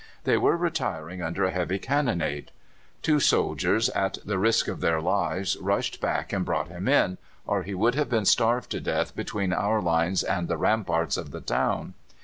They were retiring under a heavy cannonade. Two soldiers, at the risk of their lives, rushed back and brought him in, or he would have been starved to death between our lines and the ramparts of the town.